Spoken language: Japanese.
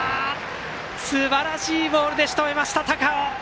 すばらしいボールでしとめました高尾！